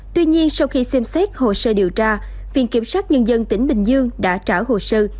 tuy nhiên sau khi xem xét hồ sơ điều tra viện kiểm sát nhân dân tỉnh bình dương đã trả hồ sơ